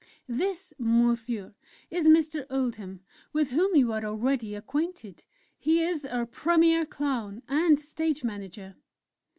"This, Monsieur, is Mr. Oldham, with whom you are already acquainted. He is our Premier Clown, and Stage Manager.